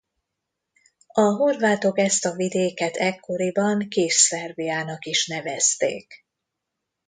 A horvátok ezt a vidéket ekkoriban Kis-Szerbiának is nevezték.